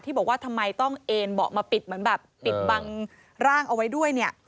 บอกว่าทำไมต้องเอ็นเบาะมาปิดเหมือนแบบปิดบังร่างเอาไว้ด้วยเนี่ย